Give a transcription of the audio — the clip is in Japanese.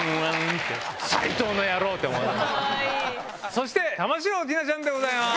そして玉城ティナちゃんでございます。